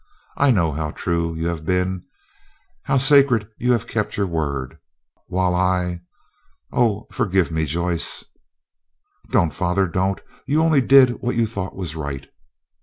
I know how true you have been, how sacred you have kept your word, while I—oh, forgive me, Joyce!" "Don't, father, don't, you only did what you thought was right."